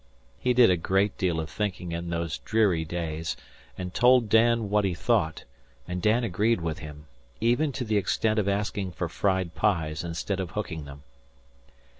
He did a great deal of thinking in those weary days, and told Dan what he thought, and Dan agreed with him even to the extent of asking for fried pies instead of hooking them.